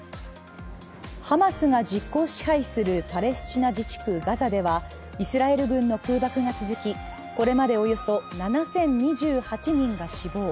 ハマスが実効支配するパレスチナ自治区ガザではイスラエル軍の空爆が続き、これまでおよそ７０２８人が死亡。